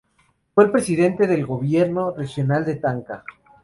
Fue el Presidente del Gobierno Regional de Tacna.